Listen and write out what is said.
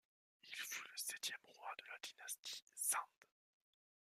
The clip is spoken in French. Il fut le septième roi de la dynastie Zand.